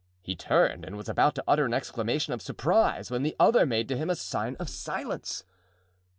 He turned and was about to utter an exclamation of surprise when the other made to him a sign of silence.